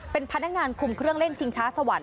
เป็นพนักงานคุมเครื่องเล่นชิงช้าสวรรค